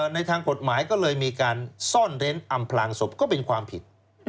ในทางกฎหมายก็เลยมีการซ่อนเร้นอำพลางศพก็เป็นความผิด